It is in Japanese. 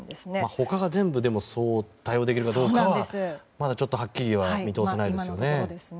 他が全部そう対応できるかどうかはまだはっきりは見通せないですよね。